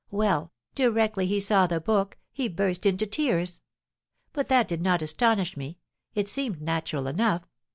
Well, directly he saw the book, he burst into tears; but that did not astonish me, it seemed natural enough.